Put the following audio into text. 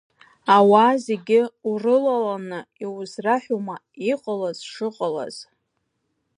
Ауаа зегьы урылаланы иузраҳәома, иҟалаз шыҟалаз?